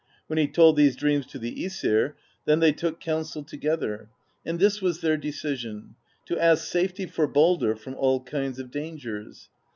When he told these dreams to the i^sir, then they took counsel together: and this was their decision: to ask safety for Baldr from all kinds of dangers.